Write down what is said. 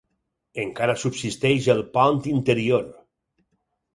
Encara subsisteix el pont interior.